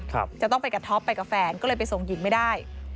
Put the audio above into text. จะต้องไปกับท็อปไปกับแฟนก็เลยไปส่งหญิงไม่ได้